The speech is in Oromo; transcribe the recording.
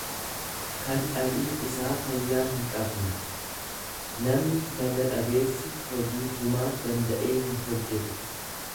kan dhaqni isaa fayyaa hinqabne; Namni naga dhabeessi hojii humaa danda'ee hinhojjetu.